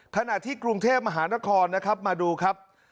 ขณะที่กรุงเทพมหานครนะครับมาดูครับ